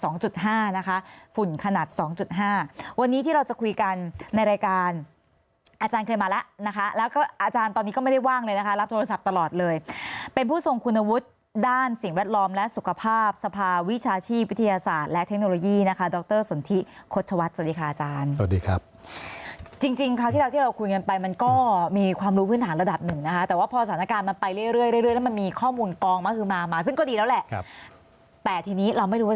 นะคะฝุ่นขนาด๒๕วันนี้ที่เราจะคุยกันในรายการอาจารย์เคยมาแล้วนะคะแล้วก็อาจารย์ตอนนี้ก็ไม่ได้ว่างเลยนะคะรับโทรศัพท์ตลอดเลยเป็นผู้ทรงคุณวุฒิด้านสิ่งแวดล้อมและสุขภาพสภาวิชาชีพวิทยาศาสตร์และเทคโนโลยีนะคะดรสนทิโคชวัดสวัสดีค่ะอาจารย์สวัสดีครับจริงครับที่เราคุยกันไปมันก